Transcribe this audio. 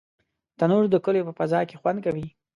تنور د کلیو په فضا کې خوند کوي